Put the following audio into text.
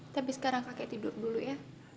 tapi sekarang kakek tidur dulu ya